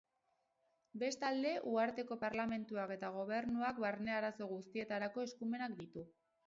Bestalde, uharteko parlamentuak eta gobernuak barne-arazo guztietarako eskumenak ditu.